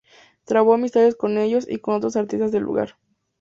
Trabó amistad con ellos y con otros artistas del lugar.